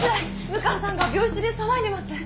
六川さんが病室で騒いでます！